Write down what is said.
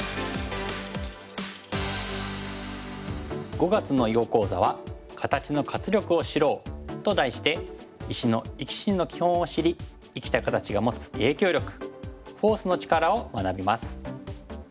５月の囲碁講座は「形の活力を知ろう」と題して石の生き死にの基本を知り生きた形が持つ影響力フォースの力を学びます。